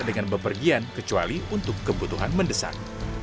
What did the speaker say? dengan bepergian kecuali untuk kebutuhan mendesak